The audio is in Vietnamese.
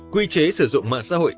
quy chế sử dụng mạng xã hội